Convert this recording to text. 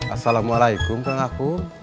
assalamualaikum kang aku